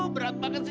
berat banget sih